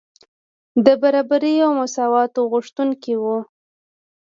د برابرۍ او مساواتو غوښتونکي وو.